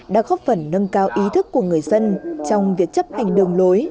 đã góp phần nâng cao ý thức của người dân trong việc chấp hành đường lối